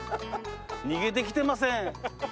逃げてきてません。